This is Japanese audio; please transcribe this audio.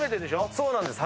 そうなんです。